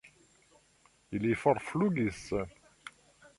Ili forflugis.